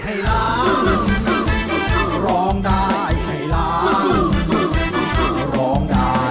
ไอหลัง